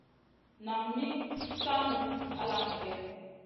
Nan min caŋu ala migè?